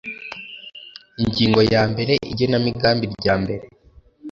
ingingo ya mbere igenamigambi ryambere